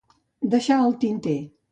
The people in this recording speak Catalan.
Deixar al tinter.